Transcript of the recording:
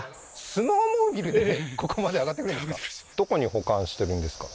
スノーモービルでここまで上がってくるんですか？